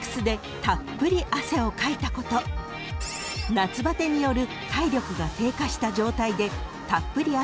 ［夏バテによる］